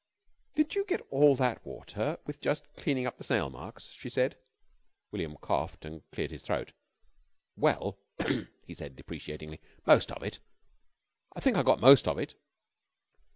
"Did you get all that water with just cleaning up the snail marks?" she said. William coughed and cleared his throat. "Well," he said, deprecatingly, "most of it. I think I got most of it."